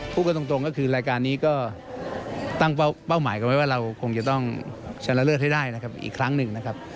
พูดกันตรงก็คือรายการนี้ก็ตั้งเป้าหมายกันไว้ว่าเราคงจะต้องชนะเลิศให้ได้นะครับอีกครั้งหนึ่งนะครับ